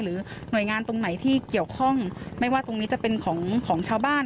หรือหน่วยงานตรงไหนที่เกี่ยวข้องไม่ว่าตรงนี้จะเป็นของของชาวบ้าน